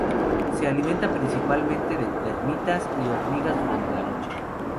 Se alimenta principalmente de termitas y hormigas durante la noche.